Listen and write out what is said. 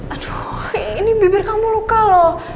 aduh ini bibir kamu luka loh